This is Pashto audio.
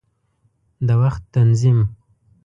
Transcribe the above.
د وخت تنظیم